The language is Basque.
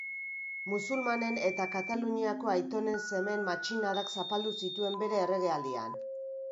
Musulmanen eta Kataluniako aitonen semeen matxinadak zapaldu zituen bere erregealdian.